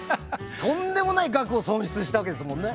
とんでもない額を損失したわけですもんね。